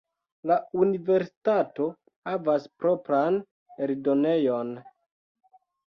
La universitato havas propran eldonejon.